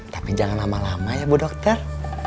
tapi jangan lama lama ya bu dokter